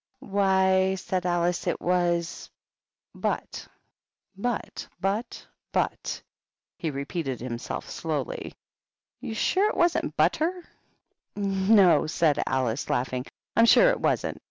" Why," said Alice, " it was ' but.' "" But — but — but,^^ he repeated to himself slowly. "You're sure it wasn't butter T^ "No," said Alice, laughing; "I'm sure it wasn't.